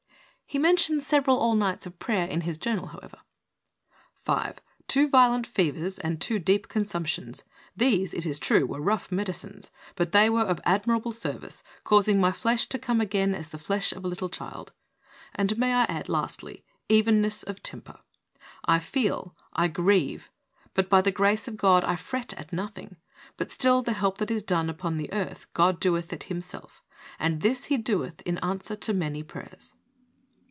(He mentions several all nights of prayer in his journal, however.) "5. Two violent fevers and two deep consumptions. These, it is true, were rough medicines, but they were of admirable service, causing my flesh to come again as the flesh of a little child. May I add, lastly, evenness of temper? I feel, I grieve, but by the grace of God I fret at nothing, but still the help that is done upon the earth God doeth it Himself; and this He doeth in answer to many prayers."